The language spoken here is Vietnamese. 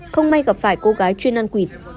không may gặp phải cô gái chuyên ăn quỷt